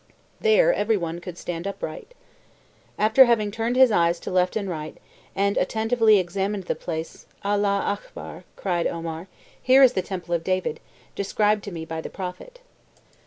There every one could stand upright. After having turned his eyes to right and left, and attentively examined the place, 'Allah alchbar!' cried Omar; here is the temple of David, described to me by the Prophet.